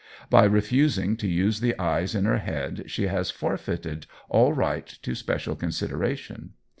By refusing to use the eyes in her head she has forfeited all right to special consideration.